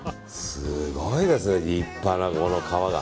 すごいですね、立派な皮が。